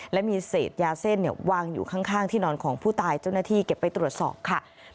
และมีเศษยาเส้นวางอยู่ข้างที่นอนของผู้ตายเจ้าหน้าที่เก็บไปตรวจสอบค่ะ